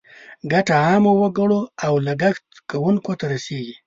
ګټه عامو وګړو او لګښت کوونکو ته رسیږي.